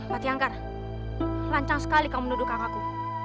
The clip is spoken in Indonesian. pati angkar lancar sekali kamu nuduh kakakku